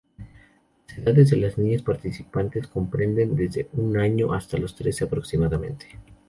Las edades de las niñas participantes comprenden desde un año hasta los trece, aproximadamente.